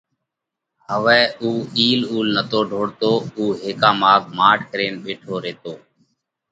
هوَئہ اُو اِيل اُول نتو ڍوڙتو اُو هيڪا ماڳ ماٺ ڪرينَ ٻيٺو ريتو۔